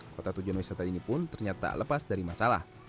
kota tujuan wisata ini pun ternyata lepas dari masalah